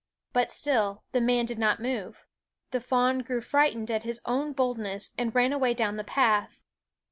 But still the man did not move ; the fawn grew frightened at his own boldness and ran away down the path.